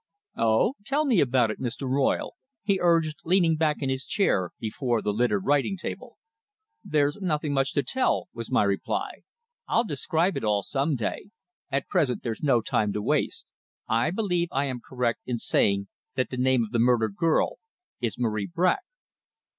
"Oh! tell me about it, Mr. Royle," he urged, leaning back in his chair before the littered writing table. "There's nothing much to tell," was my reply. "I'll describe it all some day. At present there's no time to waste. I believe I am correct in saying that the name of the murdered girl is Marie Bracq."